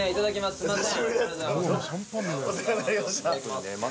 すいません。